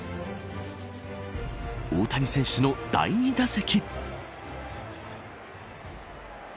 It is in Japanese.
大谷選手の第２打席。